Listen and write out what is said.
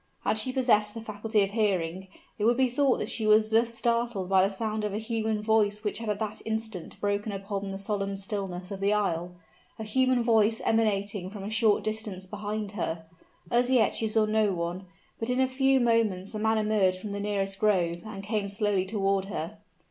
Had she possessed the faculty of hearing, it would be thought that she was thus startled by the sound of a human voice which had at that instant broken upon the solemn stillness of the isle a human voice emanating from a short distance behind her. As yet she saw no one; but in a few moments a man emerged from the nearest grove, and came slowly toward her.